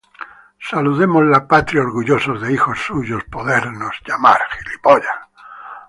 Saludemos la patria orgullosos de hijos suyos podernos llamar;